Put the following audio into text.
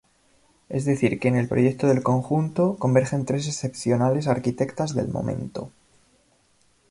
Es decir que en el proyecto del conjunto, convergen tres excepcionales arquitectas del momento.